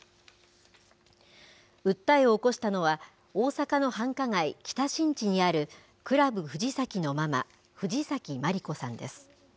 訴えを起こしたのは、大阪の繁華街、北新地にあるクラブ藤崎のママ、藤崎まり子さんです。